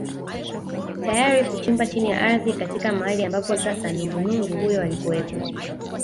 Tayari kuchimba chini ya ardhi katika mahali ambapo sasa nungunungu huyo alikuwepo